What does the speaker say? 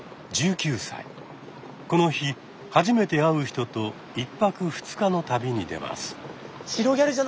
この日初めて会う人と１泊２日の旅に出ます。